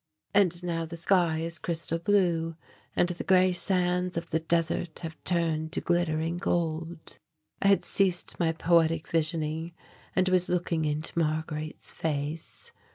And now the sky is crystal blue and the grey sands of the desert have turned to glittering gold." I had ceased my poetic visioning and was looking into Marguerite's face.